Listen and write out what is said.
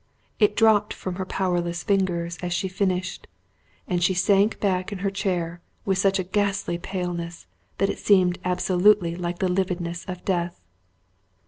It dropped from her powerless fingers as she finished; and she sank back in her chair with such a ghastly paleness, that it seemed absolutely like the lividness of death.